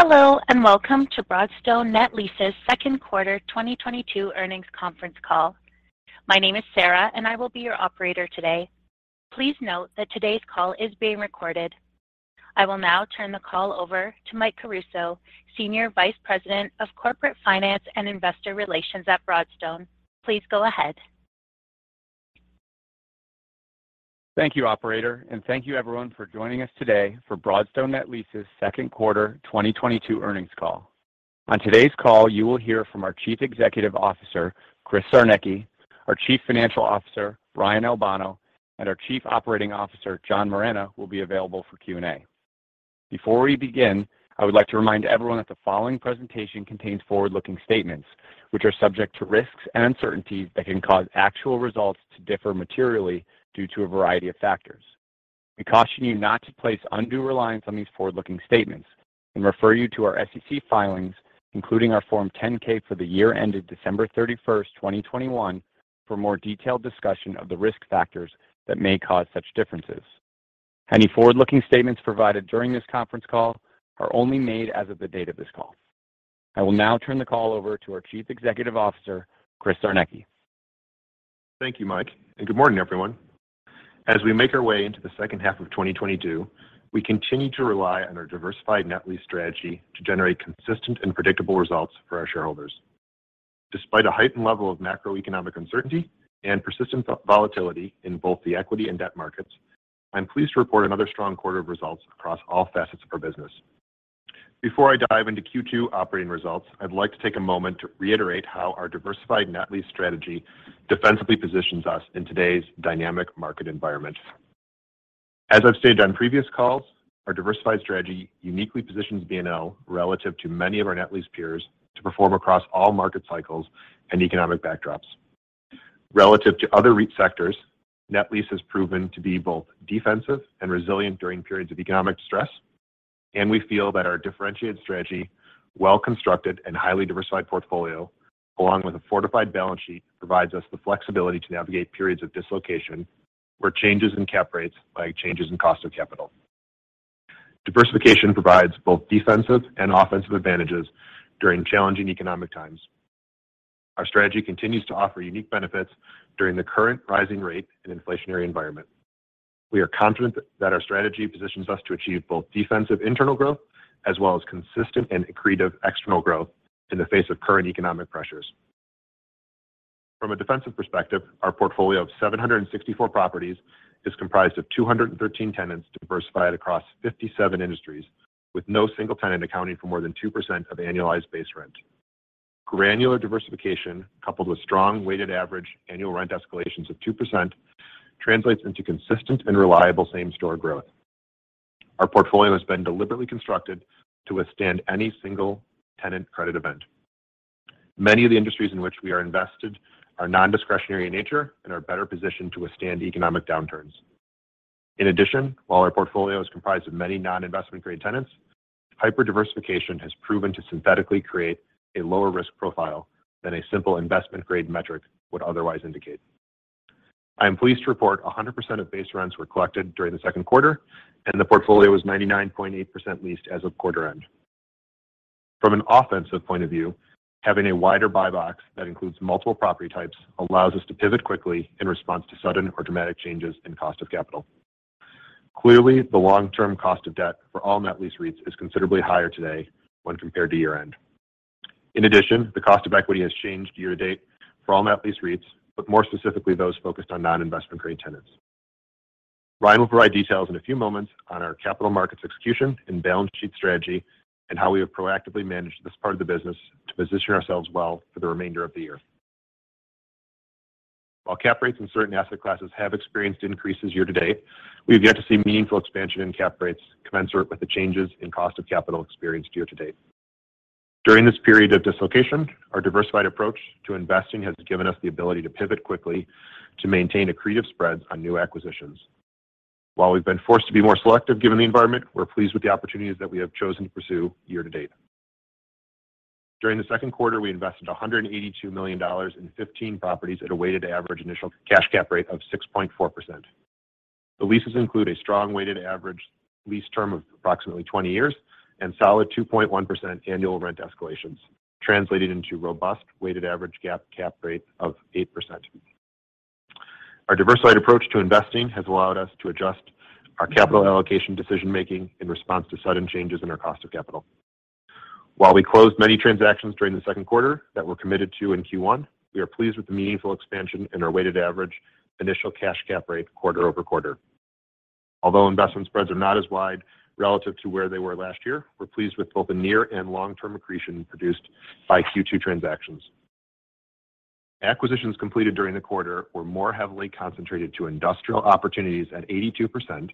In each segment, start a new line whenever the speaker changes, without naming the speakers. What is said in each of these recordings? Hello, and welcome to Broadstone Net Lease's second quarter 2022 earnings conference call. My name is Sarah, and I will be your operator today. Please note that today's call is being recorded. I will now turn the call over to Mike Caruso, Senior Vice President of Corporate Finance & Investor Relations at Broadstone. Please go ahead.
Thank you, operator, and thank you everyone for joining us today for Broadstone Net Lease's second quarter 2022 earnings call. On today's call, you will hear from our Chief Executive Officer, Chris Czarnecki, our Chief Financial Officer, Ryan Albano, and our Chief Operating Officer, John Moragne, will be available for Q&A. Before we begin, I would like to remind everyone that the following presentation contains forward-looking statements, which are subject to risks and uncertainties that can cause actual results to differ materially due to a variety of factors. We caution you not to place undue reliance on these forward-looking statements and refer you to our SEC filings, including our Form 10-K for the year ended December 31st, 2021 for more detailed discussion of the risk factors that may cause such differences. Any forward-looking statements provided during this conference call are only made as of the date of this call. I will now turn the call over to our Chief Executive Officer, Chris Czarnecki.
Thank you, Mike, and good morning, everyone. As we make our way into the second half of 2022, we continue to rely on our diversified net lease strategy to generate consistent and predictable results for our shareholders. Despite a heightened level of macroeconomic uncertainty and persistent volatility in both the equity and debt markets, I'm pleased to report another strong quarter of results across all facets of our business. Before I dive into Q2 operating results, I'd like to take a moment to reiterate how our diversified net lease strategy defensively positions us in today's dynamic market environment. As I've stated on previous calls, our diversified strategy uniquely positions BNL relative to many of our net lease peers to perform across all market cycles and economic backdrops. Relative to other REIT sectors, net lease has proven to be both defensive and resilient during periods of economic stress. We feel that our differentiated strategy, well-constructed, and highly diversified portfolio, along with a fortified balance sheet, provides us the flexibility to navigate periods of dislocation where changes in cap rates, like changes in cost of capital. Diversification provides both defensive and offensive advantages during challenging economic times. Our strategy continues to offer unique benefits during the current rising rate and inflationary environment. We are confident that our strategy positions us to achieve both defensive internal growth as well as consistent and accretive external growth in the face of current economic pressures. From a defensive perspective, our portfolio of 764 properties is comprised of 213 tenants diversified across 57 industries, with no single tenant accounting for more than 2% of annualized base rent. Granular diversification, coupled with strong weighted average annual rent escalations of 2% translates into consistent and reliable same-store growth. Our portfolio has been deliberately constructed to withstand any single tenant credit event. Many of the industries in which we are invested are non-discretionary in nature and are better positioned to withstand economic downturns. In addition, while our portfolio is comprised of many non-investment grade tenants, hyper diversification has proven to synthetically create a lower risk profile than a simple investment grade metric would otherwise indicate. I am pleased to report 100% of base rents were collected during the second quarter, and the portfolio was 99.8% leased as of quarter end. From an offensive point of view, having a wider buy box that includes multiple property types allows us to pivot quickly in response to sudden or dramatic changes in cost of capital. Clearly, the long-term cost of debt for all net lease REITs is considerably higher today when compared to year-end. In addition, the cost of equity has changed year to date for all net lease REITs, but more specifically those focused on non-investment grade tenants. Ryan will provide details in a few moments on our capital markets execution and balance sheet strategy and how we have proactively managed this part of the business to position ourselves well for the remainder of the year. While cap rates in certain asset classes have experienced increases year to date, we've yet to see meaningful expansion in cap rates commensurate with the changes in cost of capital experienced year to date. During this period of dislocation, our diversified approach to investing has given us the ability to pivot quickly to maintain accretive spreads on new acquisitions. While we've been forced to be more selective given the environment, we're pleased with the opportunities that we have chosen to pursue year to date. During the second quarter, we invested $182 million in 15 properties at a weighted average initial cash cap rate of 6.4%. The leases include a strong weighted average lease term of approximately 20 years and solid 2.1% annual rent escalations, translating into robust weighted average GAAP cap rate of 8%. Our diversified approach to investing has allowed us to adjust our capital allocation decision-making in response to sudden changes in our cost of capital. While we closed many transactions during the second quarter that were committed to in Q1, we are pleased with the meaningful expansion in our weighted average initial cash cap rate quarter-over-quarter. Although investment spreads are not as wide relative to where they were last year, we're pleased with both the near and long-term accretion produced by Q2 transactions. Acquisitions completed during the quarter were more heavily concentrated to industrial opportunities at 82%,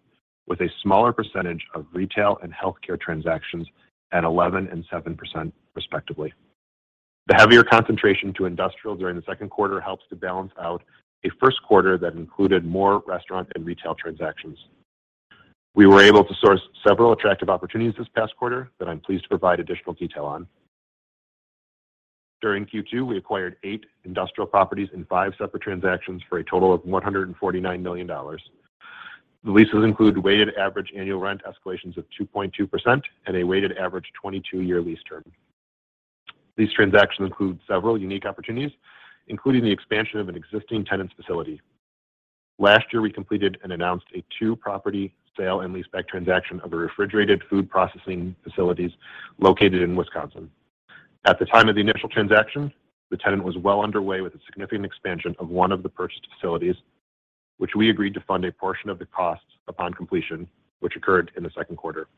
with a smaller percentage of retail and healthcare transactions at 11% and 7%, respectively. The heavier concentration to industrial during the second quarter helps to balance out a first quarter that included more restaurant and retail transactions. We were able to source several attractive opportunities this past quarter that I'm pleased to provide additional detail on. During Q2, we acquired eight industrial properties in five separate transactions for a total of $149 million. The leases include weighted average annual rent escalations of 2.2% and a weighted average 22-year lease term. These transactions include several unique opportunities, including the expansion of an existing tenant's facility. Last year, we completed and announced a two-property sale and leaseback transaction of a refrigerated food processing facilities located in Wisconsin. At the time of the initial transaction, the tenant was well underway with a significant expansion of one of the purchased facilities, which we agreed to fund a portion of the costs upon completion, which occurred in the second quarter.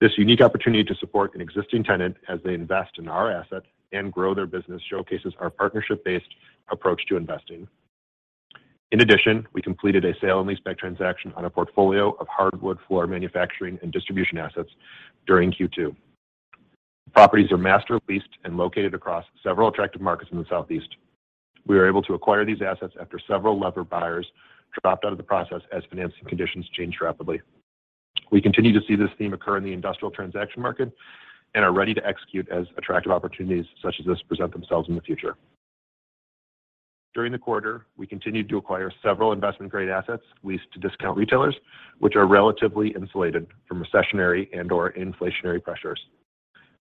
This unique opportunity to support an existing tenant as they invest in our asset and grow their business showcases our partnership-based approach to investing. In addition, we completed a sale and leaseback transaction on a portfolio of hardwood floor manufacturing and distribution assets during Q2. Properties are master leased and located across several attractive markets in the Southeast. We were able to acquire these assets after several leveraged buyers dropped out of the process as financing conditions changed rapidly. We continue to see this theme occur in the industrial transaction market and are ready to execute as attractive opportunities such as this present themselves in the future. During the quarter, we continued to acquire several investment-grade assets leased to discount retailers, which are relatively insulated from recessionary and/or inflationary pressures.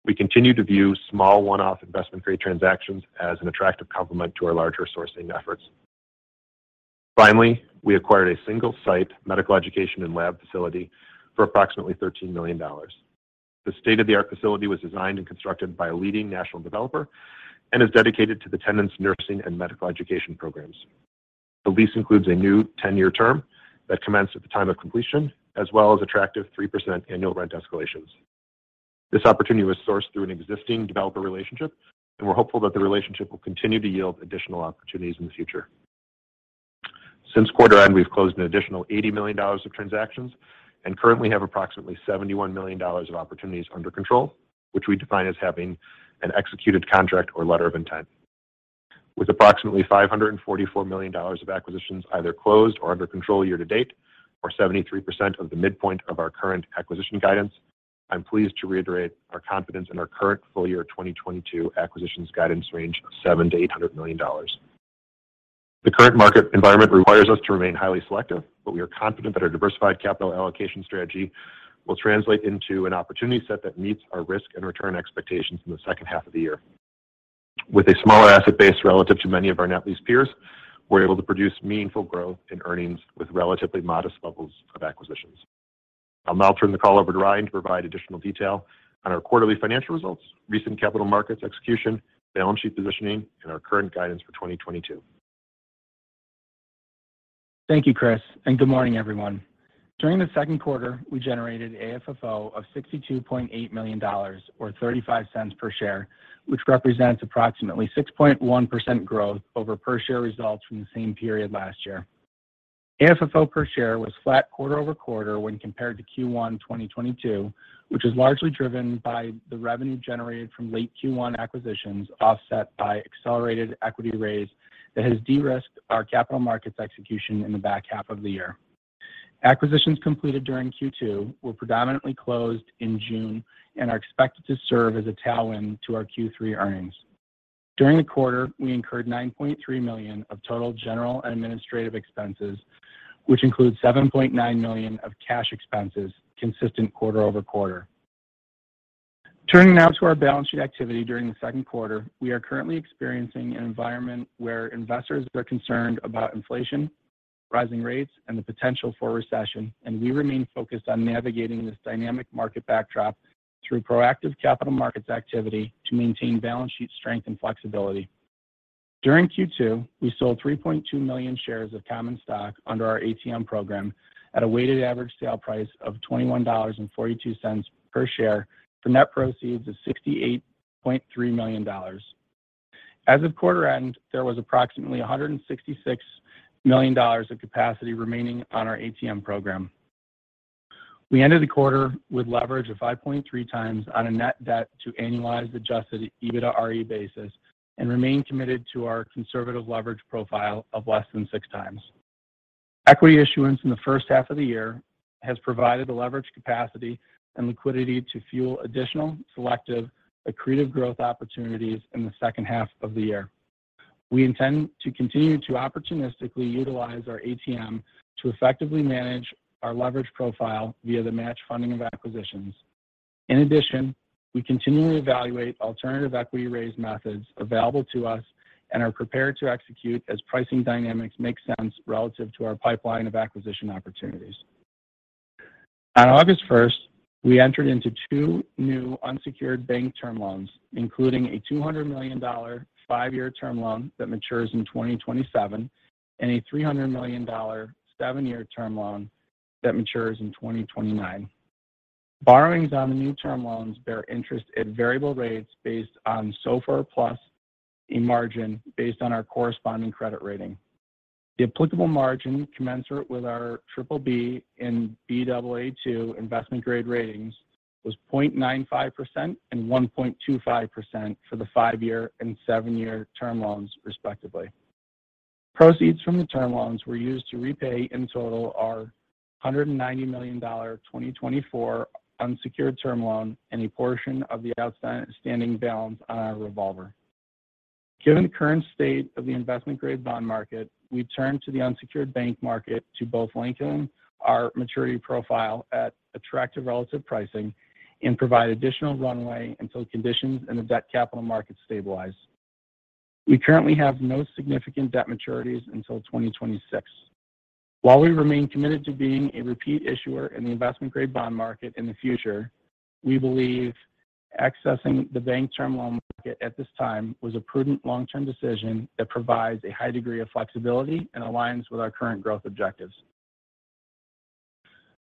We continue to view small one-off investment-grade transactions as an attractive complement to our larger sourcing efforts. Finally, we acquired a single-site medical education and lab facility for approximately $13 million. The state-of-the-art facility was designed and constructed by a leading national developer and is dedicated to the tenant's nursing and medical education programs. The lease includes a new 10-year term that commenced at the time of completion, as well as attractive 3% annual rent escalations. This opportunity was sourced through an existing developer relationship, and we're hopeful that the relationship will continue to yield additional opportunities in the future. Since quarter end, we've closed an additional $80 million of transactions and currently have approximately $71 million of opportunities under control, which we define as having an executed contract or letter of intent. With approximately $544 million of acquisitions either closed or under control year to date, or 73% of the midpoint of our current acquisition guidance, I'm pleased to reiterate our confidence in our current full-year 2022 acquisitions guidance range of $700 million-$800 million. The current market environment requires us to remain highly selective, but we are confident that our diversified capital allocation strategy will translate into an opportunity set that meets our risk and return expectations in the second half of the year. With a smaller asset base relative to many of our net lease peers, we're able to produce meaningful growth in earnings with relatively modest levels of acquisitions. I'll now turn the call over to Ryan to provide additional detail on our quarterly financial results, recent capital markets execution, balance sheet positioning, and our current guidance for 2022.
Thank you, Chris, and good morning, everyone. During the second quarter, we generated AFFO of $62.8 million or $0.35 per share, which represents approximately 6.1% growth over per share results from the same period last year. AFFO per share was flat quarter-over-quarter when compared to Q1 2022, which is largely driven by the revenue generated from late Q1 acquisitions, offset by accelerated equity raise that has de-risked our capital markets execution in the back half of the year. Acquisitions completed during Q2 were predominantly closed in June and are expected to serve as a tailwind to our Q3 earnings. During the quarter, we incurred $9.3 million of total general and administrative expenses, which includes $7.9 million of cash expenses consistent quarter-over-quarter. Turning now to our balance sheet activity during the second quarter, we are currently experiencing an environment where investors are concerned about inflation, rising rates, and the potential for recession, and we remain focused on navigating this dynamic market backdrop through proactive capital markets activity to maintain balance sheet strength and flexibility. During Q2, we sold 3.2 million shares of common stock under our ATM program at a weighted average sale price of $21.42 per share for net proceeds of $68.3 million. As of quarter end, there was approximately $166 million of capacity remaining on our ATM program. We ended the quarter with leverage of 5.3 times on a net debt to annualized Adjusted EBITDAre basis and remain committed to our conservative leverage profile of less than 6 times. Equity issuance in the first half of the year has provided the leverage capacity and liquidity to fuel additional selective accretive growth opportunities in the second half of the year. We intend to continue to opportunistically utilize our ATM to effectively manage our leverage profile via the match funding of acquisitions. In addition, we continually evaluate alternative equity raise methods available to us and are prepared to execute as pricing dynamics make sense relative to our pipeline of acquisition opportunities. On August 1, we entered into two new unsecured bank term loans, including a $200 million five-year term loan that matures in 2027, and a $300 million seven-year term loan that matures in 2029. Borrowings on the new term loans bear interest at variable rates based on SOFR plus a margin based on our corresponding credit rating. The applicable margin commensurate with our BBB and Baa2 investment-grade ratings was 0.95% and 1.25% for the five-year and seven-year term loans respectively. Proceeds from the term loans were used to repay in total our $190 million 2024 unsecured term loan and a portion of the outstanding balance on our revolver. Given the current state of the investment-grade bond market, we turned to the unsecured bank market to both lengthen our maturity profile at attractive relative pricing and provide additional runway until conditions in the debt capital markets stabilize. We currently have no significant debt maturities until 2026. While we remain committed to being a repeat issuer in the investment-grade bond market in the future, we believe accessing the bank term loan market at this time was a prudent long-term decision that provides a high degree of flexibility and aligns with our current growth objectives.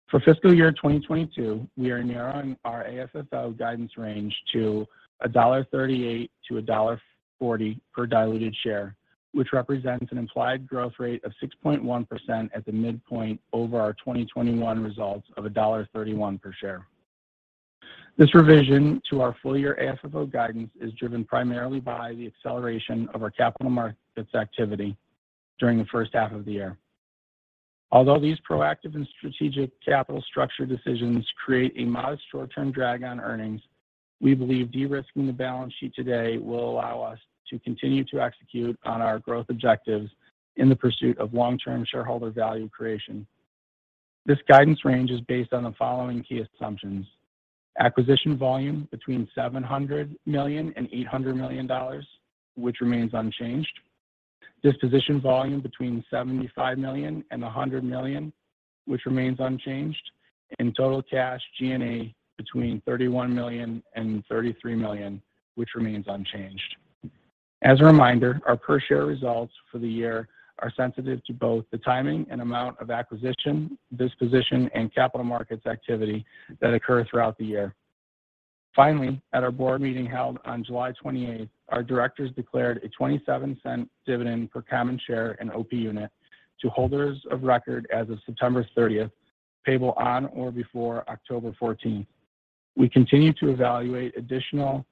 For fiscal year 2022, we are narrowing our AFFO guidance range to $1.38-$1.40 per diluted share, which represents an implied growth rate of 6.1% at the midpoint over our 2021 results of $1.31 per share. This revision to our full-year AFFO guidance is driven primarily by the acceleration of our capital markets activity during the first half of the year. Although these proactive and strategic capital structure decisions create a modest short-term drag on earnings, we believe de-risking the balance sheet today will allow us to continue to execute on our growth objectives in the pursuit of long-term shareholder value creation. This guidance range is based on the following key assumptions. Acquisition volume between $700 million and $800 million, which remains unchanged. Disposition volume between $75 million and $100 million, which remains unchanged. Total cash G&A between $31 million and $33 million, which remains unchanged. As a reminder, our per share results for the year are sensitive to both the timing and amount of acquisition, disposition, and capital markets activity that occur throughout the year. Finally, at our board meeting held on July 28th, our directors declared a $0.27 dividend per common share and OP unit to holders of record as of September 30th, payable on or before October 14th. We continue to evaluate additional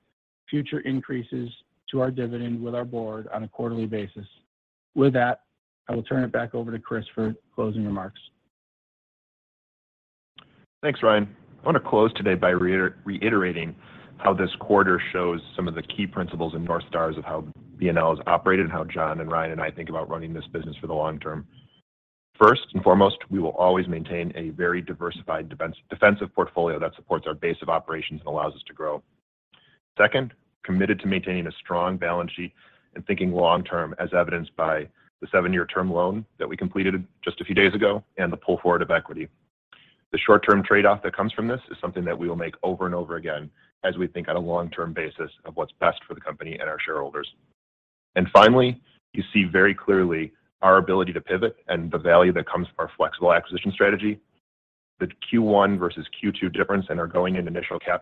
future increases to our dividend with our board on a quarterly basis. With that, I will turn it back over to Chris for closing remarks.
Thanks, Ryan. I want to close today by reiterating how this quarter shows some of the key principles and north stars of how BNL is operated and how John and Ryan and I think about running this business for the long term. First and foremost, we will always maintain a very diversified defensive portfolio that supports our base of operations and allows us to grow. Second, committed to maintaining a strong balance sheet and thinking long term as evidenced by the seven-year term loan that we completed just a few days ago and the pull forward of equity. The short-term trade-off that comes from this is something that we will make over and over again as we think on a long-term basis of what's best for the company and our shareholders. Finally, you see very clearly our ability to pivot and the value that comes from our flexible acquisition strategy. The Q1 versus Q2 difference and our going in initial cash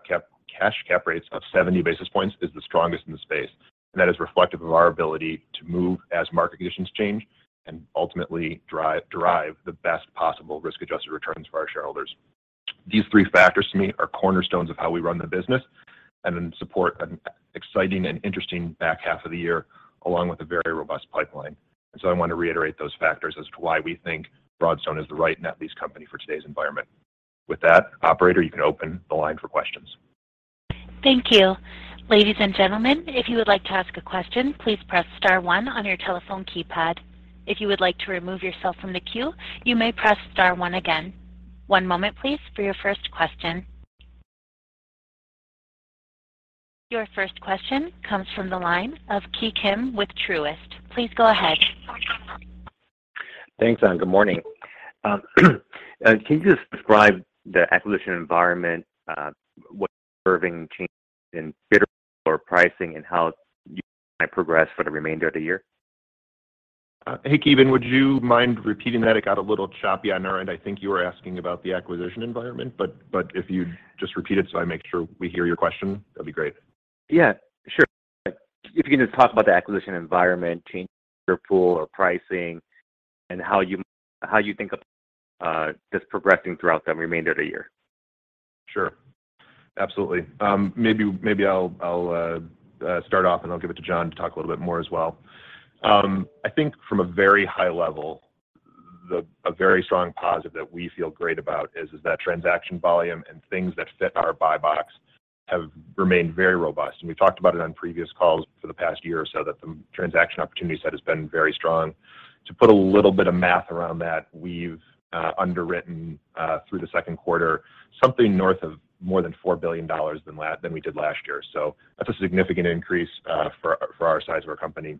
cap rates of 70 basis points is the strongest in the space. That is reflective of our ability to move as market conditions change and ultimately drive the best possible risk-adjusted returns for our shareholders. These three factors to me are cornerstones of how we run the business and then support an exciting and interesting back half of the year, along with a very robust pipeline. I want to reiterate those factors as to why we think Broadstone is the right net lease company for today's environment. With that, operator, you can open the line for questions.
Thank you. Ladies and gentlemen, if you would like to ask a question, please press star one on your telephone keypad. If you would like to remove yourself from the queue, you may press star one again. One moment, please, for your first question. Your first question comes from the line of Ki Bin Kim with Truist. Please go ahead.
Thanks, good morning. Can you just describe the acquisition environment, what you're observing changes in bidder pool or pricing, and how you see that progress for the remainder of the year?
Hey, Ki. Would you mind repeating that? It got a little choppy on our end. I think you were asking about the acquisition environment, but if you'd just repeat it so I make sure we hear your question, that'd be great.
Yeah, sure. If you can just talk about the acquisition environment, changes in bidder pool or pricing, and how you think of this progressing throughout the remainder of the year.
Sure. Absolutely. Maybe I'll start off, and I'll give it to John to talk a little bit more as well. I think from a very high level, a very strong positive that we feel great about is that transaction volume and things that fit our buy box have remained very robust. We've talked about it on previous calls for the past year or so that the transaction opportunity set has been very strong. To put a little bit of math around that, we've underwritten through the second quarter, something north of $4 billion more than we did last year. That's a significant increase for the size of our company.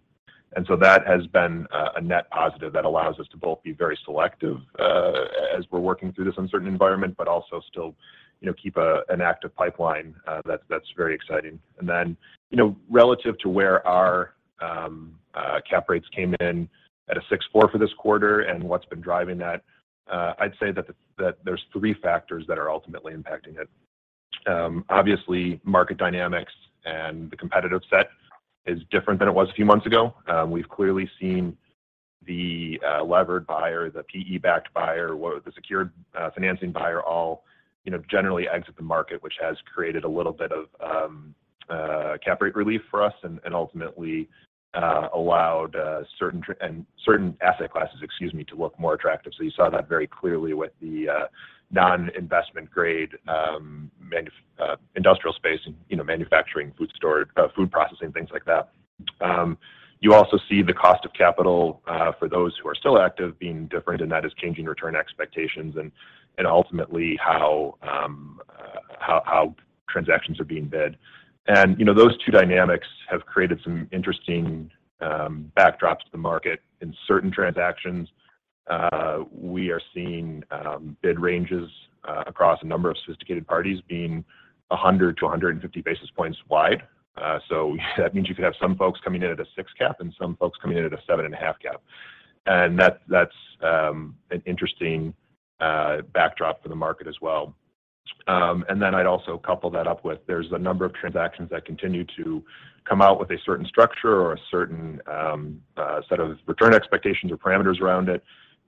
That has been a net positive that allows us to both be very selective as we're working through this uncertain environment, but also still, you know, keep an active pipeline that's very exciting. Then, you know, relative to where our cap rates came in at a 6.4 for this quarter and what's been driving that, I'd say that there's three factors that are ultimately impacting it. Obviously, market dynamics and the competitive set is different than it was a few months ago. We've clearly seen the levered buyer, the PE-backed buyer, or the secured financing buyer all, you know, generally exit the market, which has created a little bit of cap rate relief for us and ultimately allowed certain asset classes, excuse me, to look more attractive. You saw that very clearly with the non-investment grade industrial space and, you know, manufacturing, food storage, food processing, things like that. You also see the cost of capital for those who are still active being different, and that is changing return expectations and ultimately how transactions are being bid. You know, those two dynamics have created some interesting backdrops to the market. In certain transactions, we are seeing bid ranges across a number of sophisticated parties being 100 to 150 basis points wide. That means you could have some folks coming in at a six cap and some folks coming in at a 7.5 cap. That's an interesting backdrop for the market as well. I'd also couple that up with there's a number of transactions that continue to come out with a certain structure or a certain set of return expectations or parameters around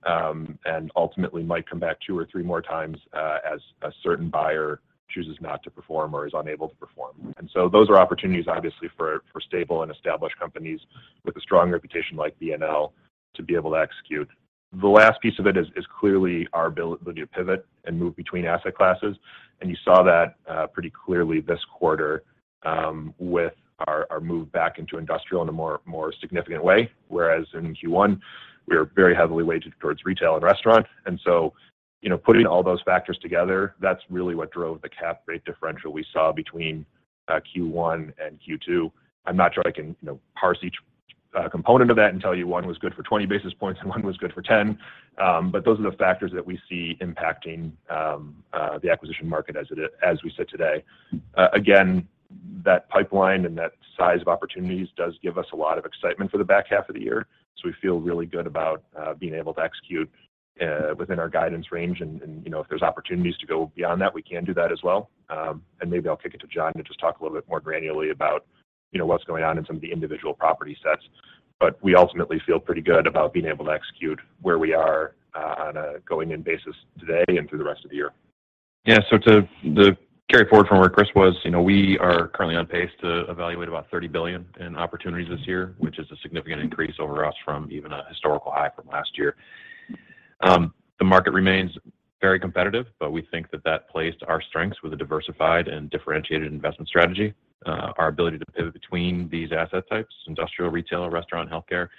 it, and ultimately might come back two or three more times as a certain buyer chooses not to perform or is unable to perform. Those are opportunities obviously for stable and established companies with a strong reputation like BNL to be able to execute. The last piece of it is clearly our ability to pivot and move between asset classes. You saw that pretty clearly this quarter with our move back into industrial in a more significant way, whereas in Q1 we are very heavily weighted towards retail and restaurant. Putting all those factors together, that's really what drove the cap rate differential we saw between Q1 and Q2. I'm not sure I can, you know, parse each component of that and tell you one was good for 20 basis points and one was good for 10. Those are the factors that we see impacting the acquisition market as it is, as we sit today. Again, that pipeline and that size of opportunities does give us a lot of excitement for the back half of the year. We feel really good about being able to execute within our guidance range. You know, if there's opportunities to go beyond that, we can do that as well. Maybe I'll kick it to John to just talk a little bit more granularly about, you know, what's going on in some of the individual property sets. We ultimately feel pretty good about being able to execute where we are, on a going in basis today and through the rest of the year.
Yeah. To carry forward from where Chris was, you know, we are currently on pace to evaluate about $30 billion in opportunities this year, which is a significant increase over us from even a historical high from last year. The market remains very competitive, but we think that that plays to our strengths with a diversified and differentiated investment strategy. Our ability to pivot between these asset types, industrial, retail, and restaurant, healthcare,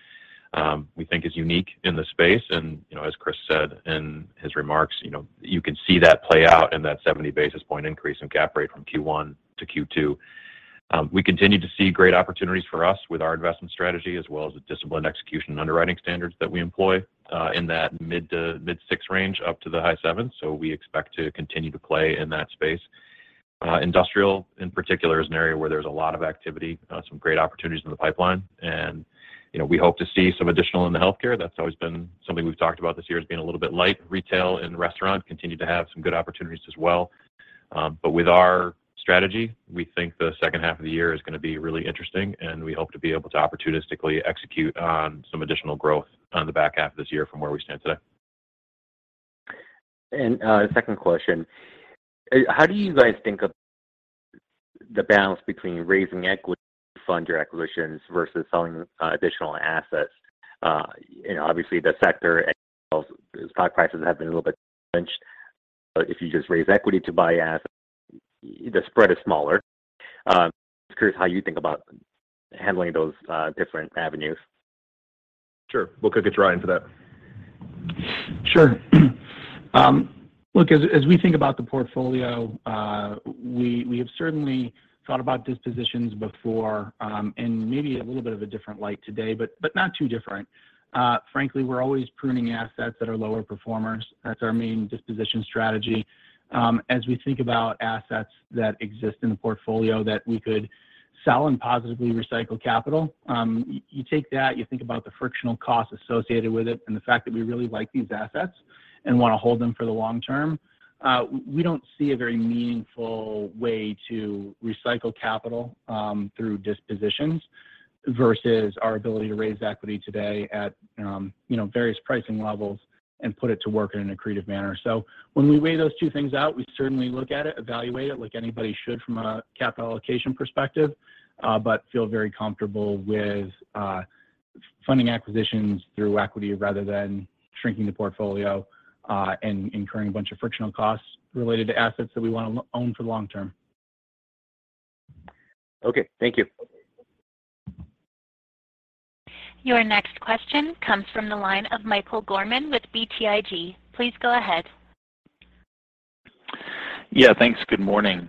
we think is unique in the space. You know, as Chris said in his remarks, you know, you can see that play out in that 70 basis point increase in cap rate from Q1 to Q2. We continue to see great opportunities for us with our investment strategy as well as the disciplined execution underwriting standards that we employ, in that mid- to mid-six range up to the high sevens. We expect to continue to play in that space. Industrial in particular is an area where there's a lot of activity, some great opportunities in the pipeline. You know, we hope to see some additional in the healthcare. That's always been something we've talked about this year as being a little bit light. Retail and restaurant continue to have some good opportunities as well. With our strategy, we think the second half of the year is gonna be really interesting, and we hope to be able to opportunistically execute on some additional growth on the back half of this year from where we stand today.
Second question. How do you guys think of the balance between raising equity to fund your acquisitions versus selling additional assets? You know, obviously the sector and stock prices have been a little bit pinched. If you just raise equity to buy assets, the spread is smaller. Just curious how you think about handling those different avenues.
Sure. We'll kick it to Ryan for that.
Sure. Look, as we think about the portfolio, we have certainly thought about dispositions before, in maybe a little bit of a different light today, but not too different. Frankly, we're always pruning assets that are lower performers. That's our main disposition strategy. As we think about assets that exist in the portfolio that we could sell and positively recycle capital, you take that, you think about the frictional costs associated with it, and the fact that we really like these assets and wanna hold them for the long term, we don't see a very meaningful way to recycle capital, through dispositions versus our ability to raise equity today at, you know, various pricing levels and put it to work in an accretive manner.
When we weigh those two things out, we certainly look at it, evaluate it like anybody should from a capital allocation perspective, but feel very comfortable with funding acquisitions through equity rather than shrinking the portfolio, and incurring a bunch of frictional costs related to assets that we wanna own for the long term.
Okay. Thank you.
Your next question comes from the line of Michael Gorman with BTIG. Please go ahead.
Yeah, thanks. Good morning.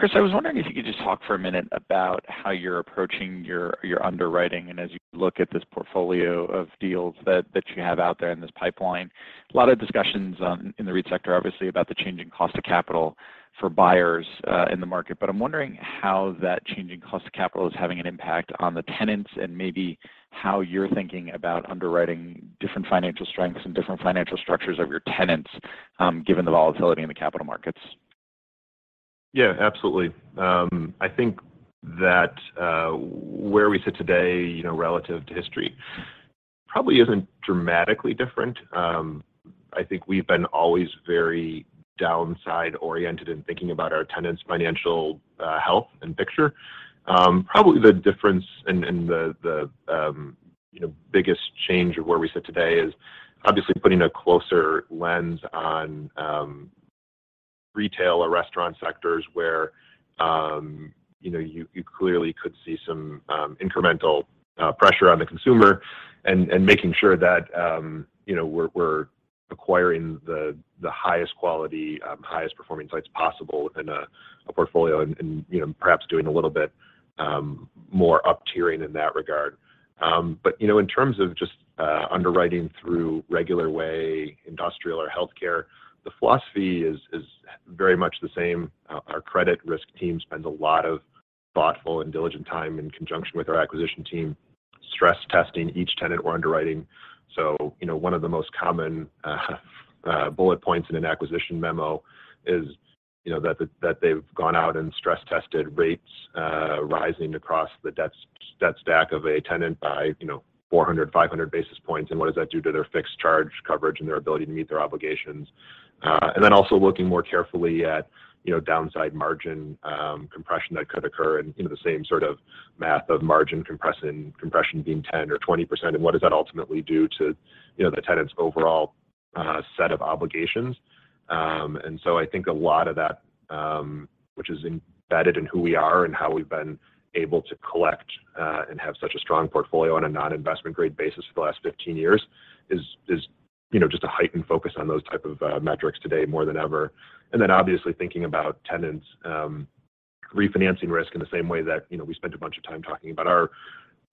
Chris, I was wondering if you could just talk for a minute about how you're approaching your underwriting and as you look at this portfolio of deals that you have out there in this pipeline. A lot of discussions in the REIT sector obviously about the changing cost of capital for buyers in the market. I'm wondering how that changing cost of capital is having an impact on the tenants and maybe how you're thinking about underwriting different financial strengths and different financial structures of your tenants given the volatility in the capital markets.
Yeah, absolutely. I think that where we sit today, you know, relative to history probably isn't dramatically different. I think we've been always very downside-oriented in thinking about our tenants' financial health and picture. Probably the difference in the biggest change of where we sit today is obviously putting a closer lens on retail or restaurant sectors where you know you clearly could see some incremental pressure on the consumer and making sure that you know we're acquiring the highest quality highest performing sites possible in a portfolio and you know perhaps doing a little bit more up-tiering in that regard. But you know in terms of just underwriting through regular way industrial or healthcare, the philosophy is very much the same. Our credit risk team spends a lot of thoughtful and diligent time in conjunction with our acquisition team stress testing each tenant we're underwriting. You know, one of the most common bullet points in an acquisition memo is, you know, that they've gone out and stress tested rates rising across the debt stack of a tenant by, you know, 400-500 basis points and what does that do to their fixed charge coverage and their ability to meet their obligations. Also looking more carefully at, you know, downside margin compression that could occur and, you know, the same sort of math of margin compression being 10% or 20%, and what does that ultimately do to, you know, the tenant's overall set of obligations. I think a lot of that, which is embedded in who we are and how we've been able to collect and have such a strong portfolio on a non-investment-grade basis for the last 15 years is, you know, just a heightened focus on those type of metrics today more than ever. Obviously thinking about tenants' refinancing risk in the same way that, you know, we spent a bunch of time talking about our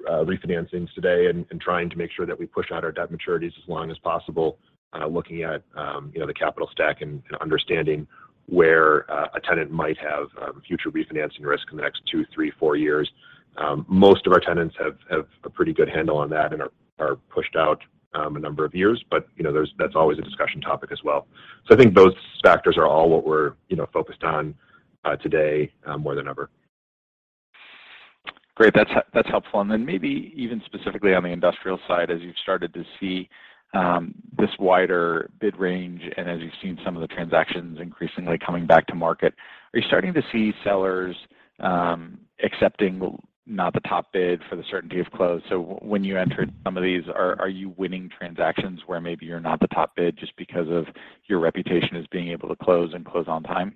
refinancings today and trying to make sure that we push out our debt maturities as long as possible, looking at, you know, the capital stack and understanding where a tenant might have future refinancing risk in the next 2, 3, 4 years. Most of our tenants have a pretty good handle on that and are pushed out a number of years. You know, there's that that's always a discussion topic as well. I think those factors are all what we're, you know, focused on, today, more than ever.
Great. That's helpful. Then maybe even specifically on the industrial side, as you've started to see this wider bid range and as you've seen some of the transactions increasingly coming back to market, are you starting to see sellers accepting not the top bid for the certainty of close? When you enter some of these, are you winning transactions where maybe you're not the top bid just because of your reputation as being able to close and close on time?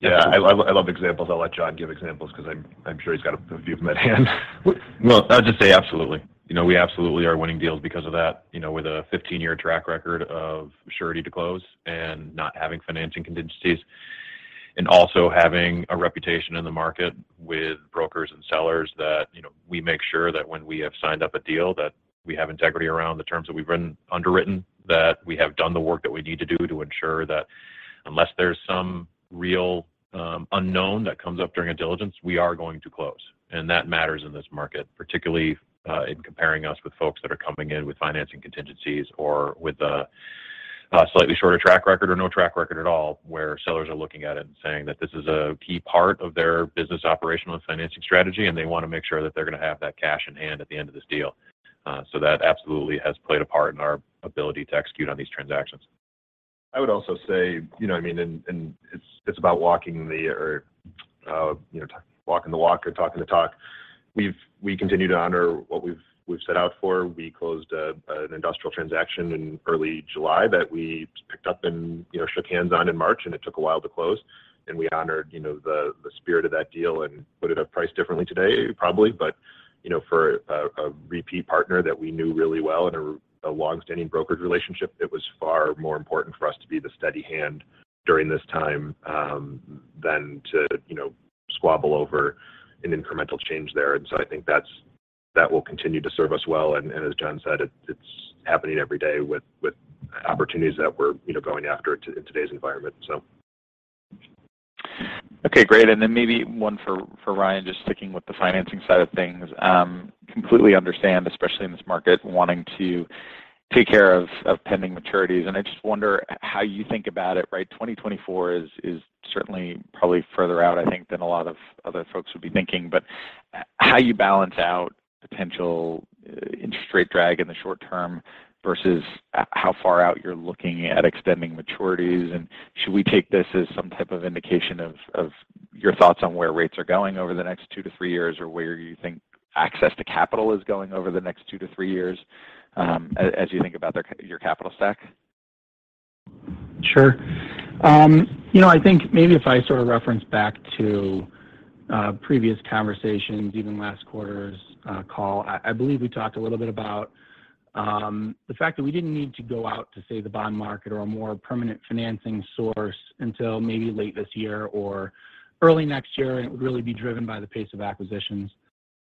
Yeah. I love examples. I'll let John give examples 'cause I'm sure he's got a few of them at hand.
Well, I'll just say absolutely. You know, we absolutely are winning deals because of that, you know, with a 15-year track record of surety to close and not having financing contingencies, and also having a reputation in the market with brokers and sellers that, you know, we make sure that when we have signed up a deal, that we have integrity around the terms that we've underwritten, that we have done the work that we need to do to ensure that unless there's some real, unknown that comes up during a diligence, we are going to close. That matters in this market, particularly, in comparing us with folks that are coming in with financing contingencies or with a slightly shorter track record or no track record at all, where sellers are looking at it and saying that this is a key part of their business operational and financing strategy, and they wanna make sure that they're gonna have that cash in hand at the end of this deal. That absolutely has played a part in our ability to execute on these transactions.
I would also say, you know what I mean, and it's about walking the walk or talking the talk. We continue to honor what we've set out for. We closed an industrial transaction in early July that we picked up and, you know, shook hands on in March, and it took a while to close. We honored, you know, the spirit of that deal, and would have priced differently today probably. But, you know, for a repeat partner that we knew really well and a longstanding brokered relationship, it was far more important for us to be the steady hand during this time than to, you know, squabble over an incremental change there. I think that will continue to serve us well. As John said, it's happening every day with opportunities that we're, you know, going after in today's environment.
Okay, great. Maybe one for Ryan, just sticking with the financing side of things. Completely understand, especially in this market, wanting to take care of pending maturities. I just wonder how you think about it, right? 2024 is certainly probably further out, I think, than a lot of other folks would be thinking. How you balance out potential interest rate drag in the short term versus how far out you're looking at extending maturities, and should we take this as some type of indication of your thoughts on where rates are going over the next two-three years, or where you think access to capital is going over the next two-three years, as you think about your capital stack?
Sure. You know, I think maybe if I sort of reference back to previous conversations, even last quarter's call, I believe we talked a little bit about the fact that we didn't need to go out to, say, the bond market or a more permanent financing source until maybe late this year or early next year, and it would really be driven by the pace of acquisitions.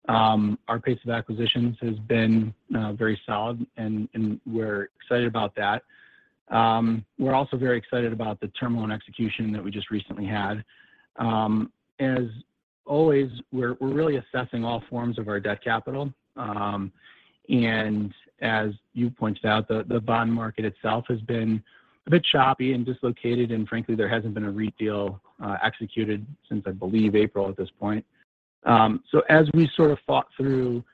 Our pace of acquisitions has been very solid and we're excited about that. We're also very excited about the term loan execution that we just recently had. As always, we're really assessing all forms of our debt capital. As you pointed out, the bond market itself has been a bit choppy and dislocated, and frankly, there hasn't been a REIT deal executed since, I believe, April at this point. We sort of thought through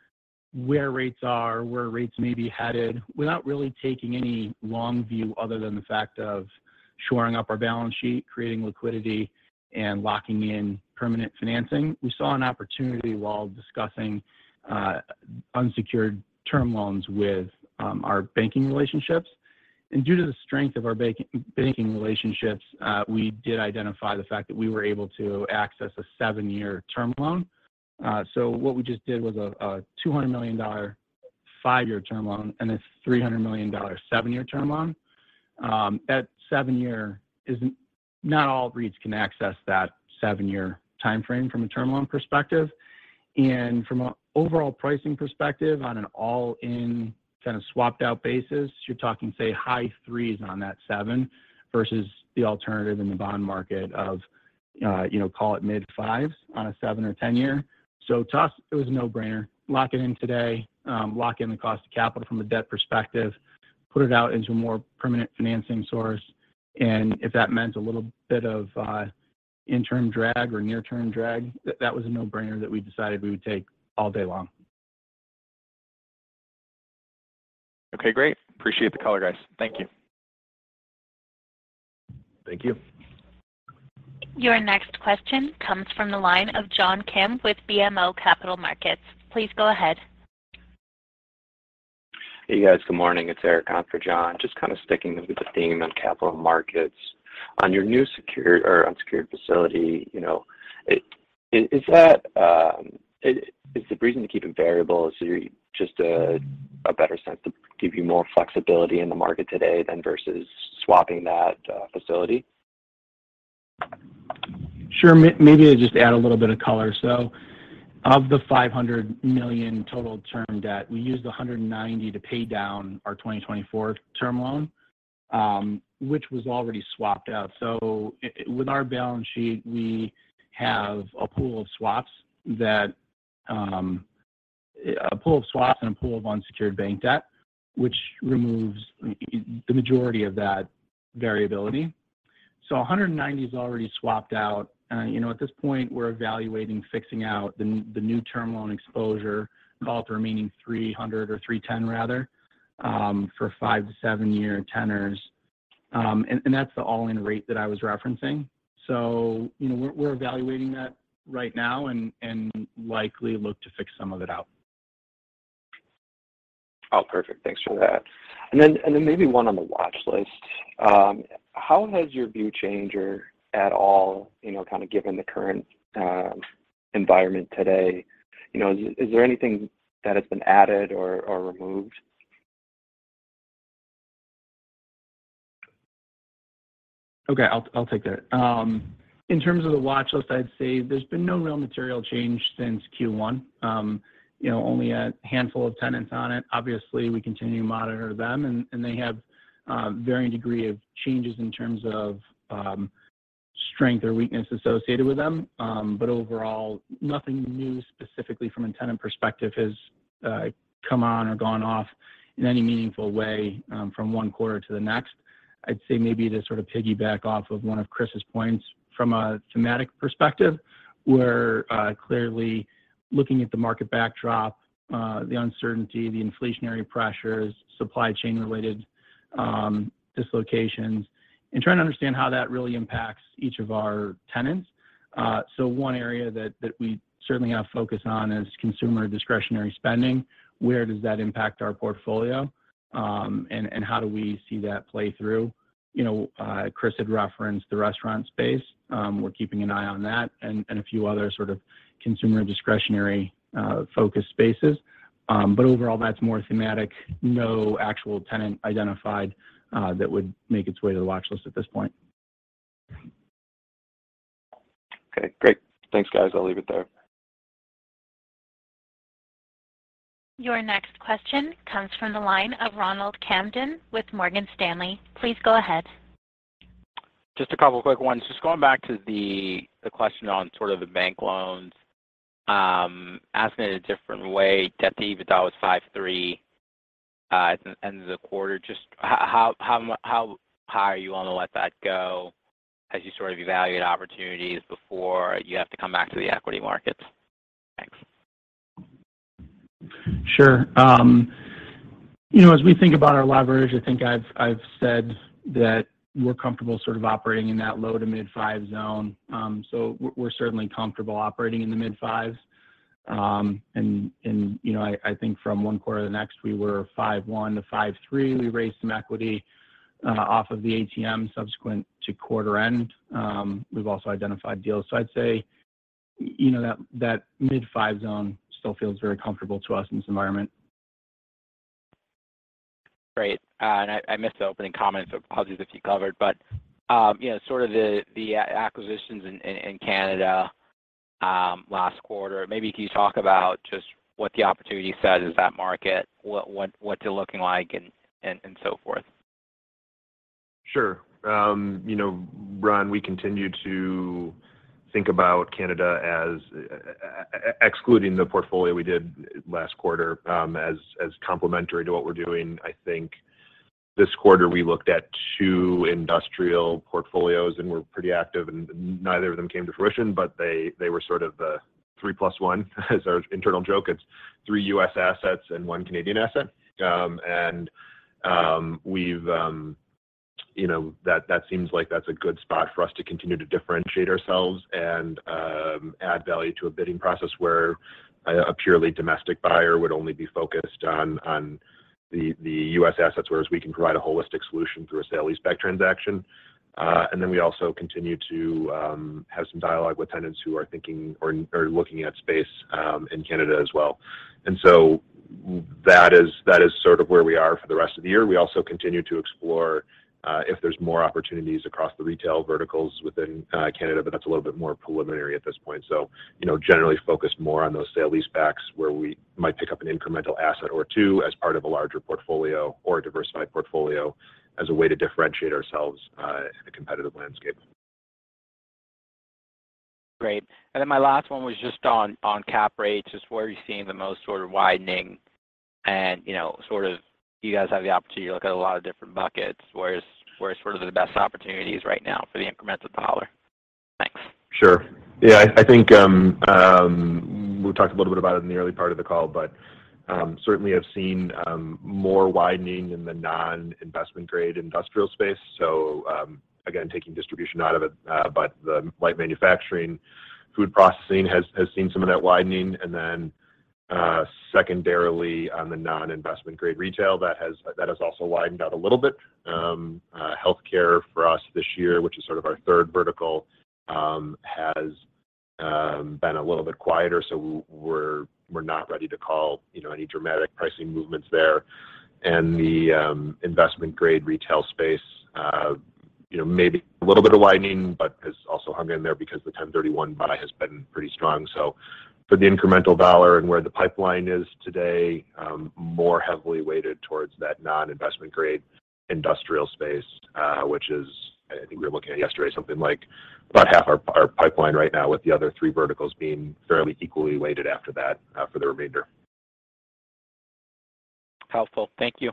where rates are, where rates may be headed, without really taking any long view other than the fact of shoring up our balance sheet, creating liquidity, and locking in permanent financing. We saw an opportunity while discussing unsecured term loans with our banking relationships. Due to the strength of our banking relationships, we did identify the fact that we were able to access a seven-year term loan. What we just did was a $200 million five-year term loan and this $300 million seven-year term loan. That seven-year is not all REITs can access that seven-year timeframe from a term loan perspective. From an overall pricing perspective on an all-in kind of swapped out basis, you're talking, say, high 3s on that seven versus the alternative in the bond market of, you know, call it mid 5s on a seven or 10-year. To us, it was a no-brainer. Lock it in today, lock in the cost of capital from a debt perspective, put it out into a more permanent financing source, and if that meant a little bit of interim drag or near-term drag, that was a no-brainer that we decided we would take all day long.
Okay, great. Appreciate the color, guys. Thank you.
Thank you.
Your next question comes from the line of John Kim with BMO Capital Markets. Please go ahead.
Hey, guys. Good morning. It's Eric on for John Kim. Just kind of sticking with the theme on capital markets. On your new secured or unsecured facility, you know, is that the reason to keep it variable just a better sense to give you more flexibility in the market today than versus swapping that facility?
Sure. Maybe I just add a little bit of color. Of the $500 million total term debt, we used $190 to pay down our 2024 term loan, which was already swapped out. With our balance sheet, we have a pool of swaps and a pool of unsecured bank debt, which removes the majority of that variability. $190 is already swapped out. You know, at this point, we're evaluating fixing out the new term loan exposure, call it the remaining 300 or 310 rather, for five-seven year tenors. And that's the all-in rate that I was referencing. You know, we're evaluating that right now and likely look to fix some of it out.
Oh, perfect. Thanks for that. Maybe one on the watchlist. How has your view changed at all, you know, kind of given the current environment today? You know, is there anything that has been added or removed?
Okay. I'll take that. In terms of the watchlist, I'd say there's been no real material change since Q1. You know, only a handful of tenants on it. Obviously, we continue to monitor them, and they have varying degree of changes in terms of strength or weakness associated with them. But overall, nothing new specifically from a tenant perspective has come on or gone off in any meaningful way from one quarter to the next. I'd say maybe to sort of piggyback off of one of Chris's points from a thematic perspective, we're clearly looking at the market backdrop, the uncertainty, the inflationary pressures, supply chain related dislocations, and trying to understand how that really impacts each of our tenants. One area that we certainly have focus on is consumer discretionary spending. Where does that impact our portfolio, and how do we see that play through. You know, Chris had referenced the restaurant space. We're keeping an eye on that and a few other sort of consumer discretionary focused spaces. Overall, that's more thematic. No actual tenant identified that would make its way to the watchlist at this point.
Okay. Great. Thanks, guys. I'll leave it there.
Your next question comes from the line of Ronald Kamdem with Morgan Stanley. Please go ahead.
Just a couple of quick ones. Just going back to the question on sort of the bank loans, asking it a different way. Debt to EBITDA was 5.3 at the end of the quarter. Just how high are you willing to let that go as you sort of evaluate opportunities before you have to come back to the equity markets? Thanks.
Sure. You know, as we think about our leverage, I think I've said that we're comfortable sort of operating in that low-to-mid-5 zone. We're certainly comfortable operating in the mid-5s. You know, I think from one quarter to the next, we were 5.1-5.3. We raised some equity off of the ATM subsequent to quarter end. We've also identified deals. I'd say, you know, that mid-5 zone still feels very comfortable to us in this environment.
Great. I missed the opening comments, so apologies if you covered. You know, sort of the acquisitions in Canada last quarter, maybe can you talk about just what the opportunity set is in that market, what's it looking like and so forth?
Sure. You know, Ron, we continue to think about Canada as excluding the portfolio we did last quarter, as complementary to what we're doing. I think this quarter, we looked at two industrial portfolios and were pretty active, and neither of them came to fruition, but they were sort of the three plus one as our internal joke. It's three U.S. assets and one Canadian asset. You know, that seems like that's a good spot for us to continue to differentiate ourselves and add value to a bidding process where a purely domestic buyer would only be focused on the U.S. assets, whereas we can provide a holistic solution through a sale-leaseback transaction. We also continue to have some dialogue with tenants who are thinking or looking at space in Canada as well. That is sort of where we are for the rest of the year. We also continue to explore if there's more opportunities across the retail verticals within Canada, but that's a little bit more preliminary at this point. You know, generally focused more on those sale-leasebacks where we might pick up an incremental asset or two as part of a larger portfolio or a diversified portfolio as a way to differentiate ourselves in a competitive landscape.
Great. Then my last one was just on cap rates. Just where are you seeing the most sort of widening and, you know, sort of you guys have the opportunity to look at a lot of different buckets, where is sort of the best opportunities right now for the incremental dollar? Thanks.
Sure. Yeah, I think we've talked a little bit about it in the early part of the call, but certainly I've seen more widening in the non-investment grade industrial space. Again, taking distribution out of it, but the light manufacturing, food processing has seen some of that widening. Secondarily on the non-investment grade retail, that has also widened out a little bit. Healthcare for us this year, which is sort of our third vertical, has been a little bit quieter, so we're not ready to call, you know, any dramatic pricing movements there. The investment grade retail space, you know, maybe a little bit of widening but has also hung in there because the 1031 exchange buy has been pretty strong. For the incremental dollar and where the pipeline is today, more heavily weighted towards that non-investment grade industrial space, which is, I think we were looking at yesterday, something like about half our pipeline right now, with the other three verticals being fairly equally weighted after that, for the remainder.
Helpful. Thank you.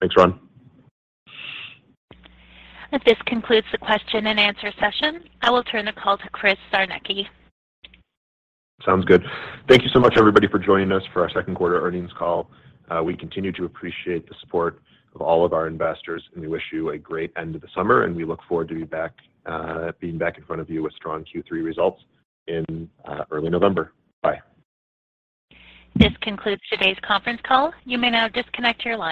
Thanks, Ron.
This concludes the question and answer session. I will turn the call to Chris Czarnecki.
Sounds good. Thank you so much everybody for joining us for our second quarter earnings call. We continue to appreciate the support of all of our investors, and we wish you a great end to the summer, and we look forward to being back in front of you with strong Q3 results in early November. Bye.
This concludes today's conference call. You may now disconnect your line.